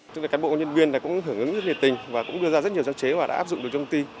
các bộ nhân viên cũng hưởng ứng rất nhiệt tình và cũng đưa ra rất nhiều sáng chế và đã áp dụng được trong công ty